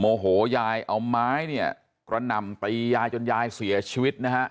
โมโหยายเอาไม้เนี่ยกระหน่ำตียายจนยายเสียชีวิตนะฮะ